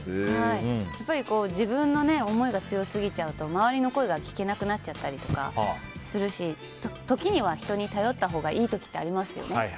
自分の思いが強すぎちゃうと周りの声が聞けなくなっちゃったりするし時には人に頼ったほうがいい時もありますよね。